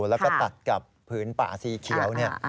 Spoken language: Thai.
แล้วก็ตัดกับผืนป่าสีเขียวเนี่ย